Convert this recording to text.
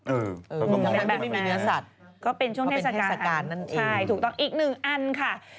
เออมีเบียงไม่มีเนื้อสัตว์อีกนึงอันค่ะก็เป็นเทศกาลอันครับ